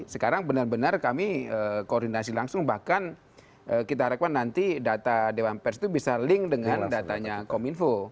sekarang benar benar kami koordinasi langsung bahkan kita harapkan nanti data dewan pers itu bisa link dengan datanya kominfo